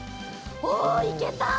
おいけた！